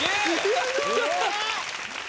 やったー！